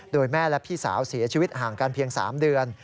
โดยแม่และพี่สาวเสียชีวิตห่างกันเพียง๓เดือน